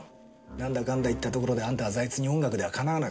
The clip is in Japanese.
なんだかんだ言ったところであんたは財津に音楽ではかなわなかった。